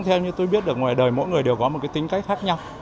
theo như tôi biết được ngoài đời mỗi người đều có một cái tính cách khác nhau